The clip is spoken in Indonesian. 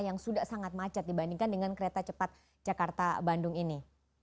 yang sudah sangat macet dibandingkan dengan kereta cepat jakarta bandung ini